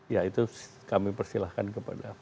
ya itu kami persilahkan kepada